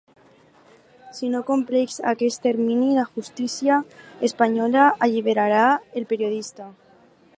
Si no compleix aquest termini, la justícia espanyola alliberarà el periodista.